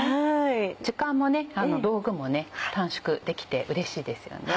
時間も道具も短縮できてうれしいですよね。